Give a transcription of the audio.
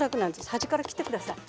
端から切ってください。